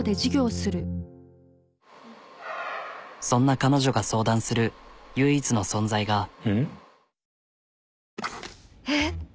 そんな彼女が相談する唯一の存在が。